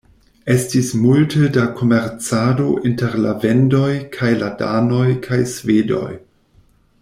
Estis multe da komercado inter la vendoj kaj la danoj kaj svedoj.